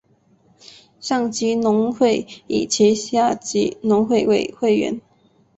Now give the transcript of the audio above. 上级农会以其下级农会为会员。